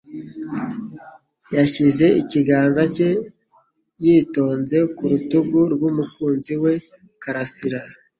Yashyize ikiganza cye yitonze ku rutugu rw’umukunzi we karasira